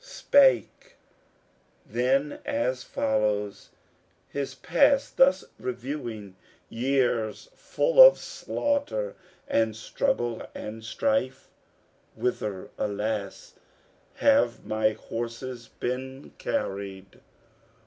Spake then as follows, his past thus reviewing, Years full of slaughter and struggle and strife: "Wither, alas, have my horses been carried?